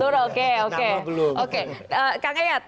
nama dulu oke kak gayat